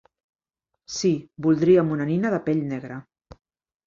Sí, voldríem una nina de pell negra.